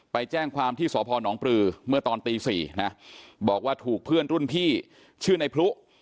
ไปแจ้งความที่สพนปลือเมื่อตอนตี๔นะบอกว่าถูกเพื่อนรุ่นพี่ชื่อในพลุ